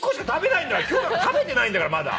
今日食べてないんだからまだ。